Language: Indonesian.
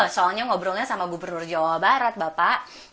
soalnya ngobrolnya sama gubernur jawa barat bapak